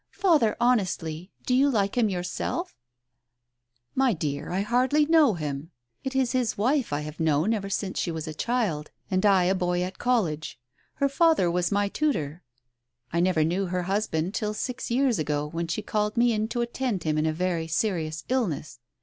Father, honestly, do you like him yourself ?"" My dear, I hardly know him ! It is his wife I have known ever since she was a child, and I a boy at college. Her father was my tutor. I never knew her husband till six years ago, when she called me in to attend him in a very serious illness.